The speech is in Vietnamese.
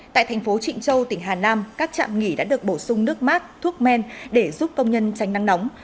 tại thành phố trịnh châu tỉnh hà nam các trạm nghỉ đã được bổ sung nước mát thuốc men để giúp công nhân tránh nắng nóng